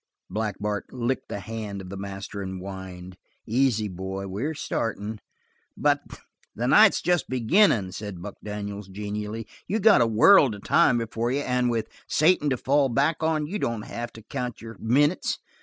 Black Bart licked the hand of the master and whined. "Easy, boy. We're startin'." "But the night's just beginnin'," said Buck Daniels genially. "You got a world of time before you, and with Satan to fall back on you don't have to count your minutes.